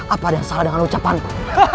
apa ada salah dengan ucapanku